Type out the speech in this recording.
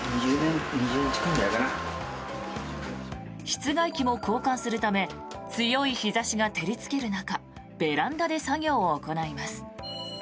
室外機も交換するため強い日差しが照りつける中ベランダで作業を行います。